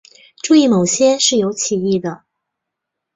注意某些是有歧义的。